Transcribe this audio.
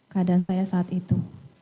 keadaan saya saat itu